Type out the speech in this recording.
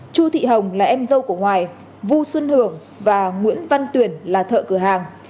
chu thị hồng là em dâu của hoài vu xuân hưởng và nguyễn văn tuyển là thợ cửa hàng